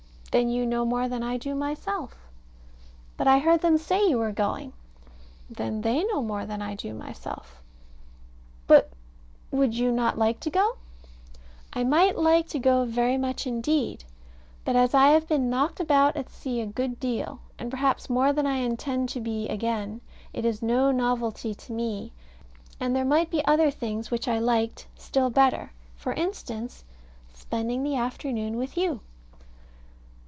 Then you know more than I do myself. But I heard them say you were going. Then they know more than I do myself. But would you not like to go? I might like to go very much indeed; but as I have been knocked about at sea a good deal, and perhaps more than I intend to be again, it is no novelty to me, and there might be other things which I liked still better: for instance, spending the afternoon with you.